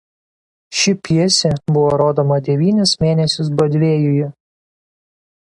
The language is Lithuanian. Ši pjesė buvo rodoma devynis mėnesius Brodvėjuje.